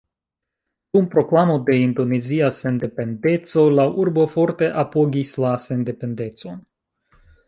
Dum proklamo de indonezia sendependeco la urbo forte apogis la sendependecon.